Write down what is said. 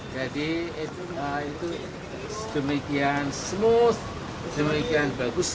jadi itu demikian smooth demikian bagus